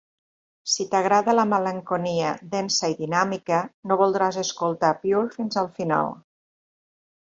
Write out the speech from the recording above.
Si t'agrada la malenconia densa i dinàmica, no voldràs escoltar Pure fins al final.